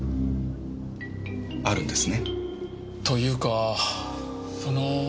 あるんですね。というかその。